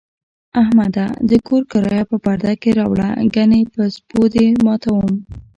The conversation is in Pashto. احمده! د کور کرایه په پرده کې راوړه، گني په سپو دې ماتوم.